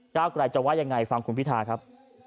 กลายจะว่ายังไงฟังคุณพิทาครับ